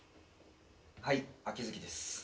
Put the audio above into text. はい秋月です。